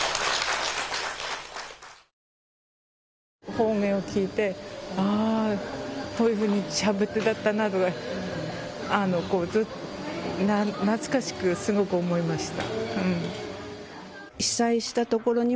方言を聞いてこういうふうにしゃべっていたなって懐かしく、すごく思いました。